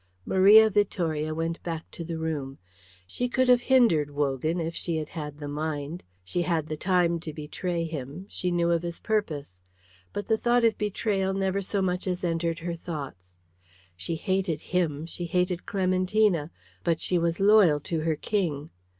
Maria Vittoria went back to the room. She could have hindered Wogan if she had had the mind. She had the time to betray him; she knew of his purpose. But the thought of betrayal never so much as entered her thoughts. She hated him, she hated Clementina, but she was loyal to her King.